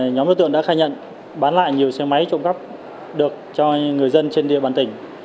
nhóm đối tượng đã khai nhận bán lại nhiều xe máy trộm cắp được cho người dân trên địa bàn tỉnh